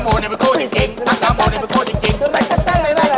นมโมนมโมท่องนมโมได้ประโค้งจริง